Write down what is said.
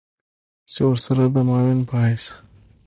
چې ورسره د معاون په حېث